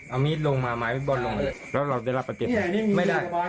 เอามีดลงมาไม้บอลลงมาเลยเพราะเราได้รับประเกตไม่ได้